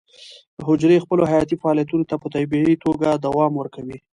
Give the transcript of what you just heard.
حجرې خپلو حیاتي فعالیتونو ته په طبیعي توګه دوام ورکوي.